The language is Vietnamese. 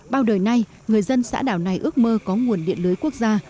bao đời nay người dân xã đảo này ước mơ có nguồn điện lưới quốc gia